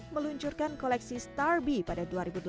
meluncurkan koleksi star b pada dua ribu delapan belas